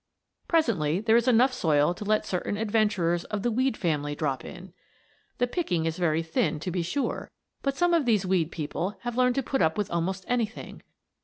Presently there is enough soil to let certain adventurers of the Weed family drop in. The picking is very thin, to be sure, but some of these Weed people have learned to put up with almost anything.